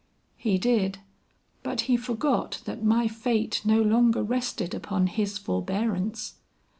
"He did, but he forgot that my fate no longer rested upon his forbearance.